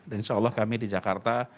insyaallah kami di jakarta